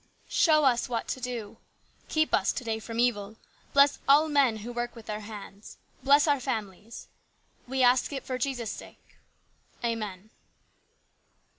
Show us what to do. Keep us to day from evil. Bless all men who work with their hands. Bless our families. We ask it for Jesus' sake. Amen."